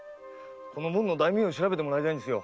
この紋の大名を調べてもらいたいんです。